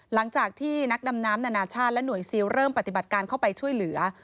หลังจากที่นักดำน้ำนานาชาติและหน่วยซิลเริ่มปฏิบัติการเข้าไปช่วยเหลือ